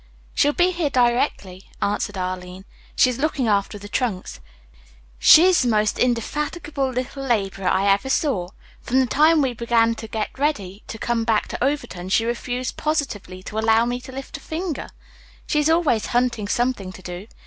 "She'll be here directly," answered Arline. "She is looking after the trunks. She is the most indefatigable little laborer I ever saw. From the time we began to get ready to come back to Overton she refused positively to allow me to lift my finger. She is always hunting something to do.